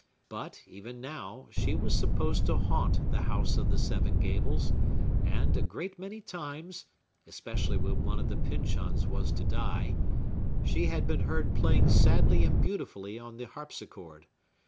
But, even now, she was supposed to haunt the House of the Seven Gables, and, a great many times,—especially when one of the Pyncheons was to die,—she had been heard playing sadly and beautifully on the harpsichord.